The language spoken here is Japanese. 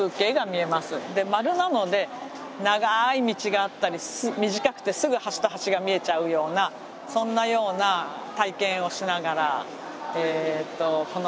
円なので長い道があったり短くてすぐ端と端が見えちゃうようなそんなような体験をしながらこの中を回れます。